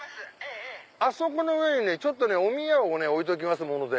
あそこの上におみやを置いときますもので。